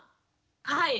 はい。